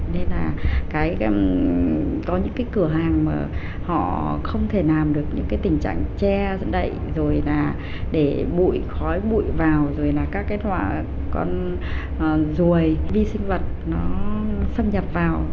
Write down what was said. nên là có những cái cửa hàng mà họ không thể làm được những cái tình trạng che dẫn đậy rồi là để bụi khói bụi vào rồi là các cái hỏa con ruồi vi sinh vật nó xâm nhập vào